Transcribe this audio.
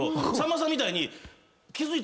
さんまさんみたいに。